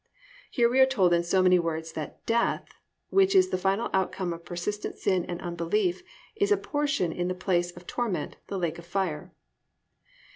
"+ Here we are told in so many words that the "death" which is the final outcome of persistent sin and unbelief is a portion in the place of torment, the lake of fire.